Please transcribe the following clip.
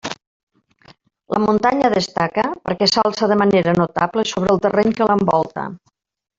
La muntanya destaca perquè s'alça de manera notable sobre el terreny que l'envolta.